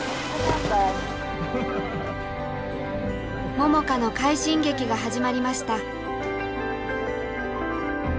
桃佳の快進撃が始まりました。